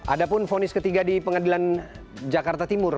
ada pun fonis ketiga di pengadilan jakarta timur